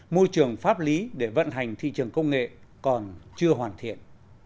môi trường pháp lý để vận hành thị trường công nghệ còn chưa hoàn thiện